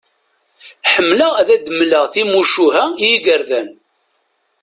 Ḥemmleɣ ad d-mleɣ timucuha i yigerdan